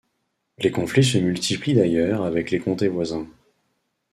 Les conflits se multiplient d'ailleurs avec les comtés voisins.